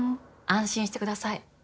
安心してください。